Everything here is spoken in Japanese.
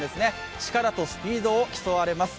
力とスピードを競われます。